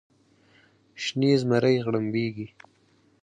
شنې زمرۍ غړمبیږې